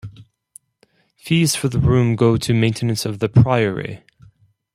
Fees for the room go to maintenance of the priory.